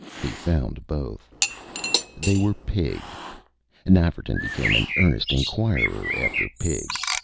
He found both. They were Pig. Nafferton became an earnest inquirer after Pig.